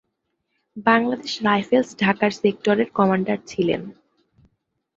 Bangladesh Rifles ঢাকার সেক্টরের commander ছিলেন।